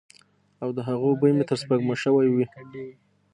او د هغه بوی مې تر سپوږمو شوی وی.